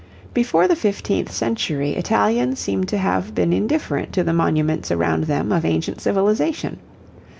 Before the fifteenth century, Italians seem to have been indifferent to the monuments around them of ancient civilization.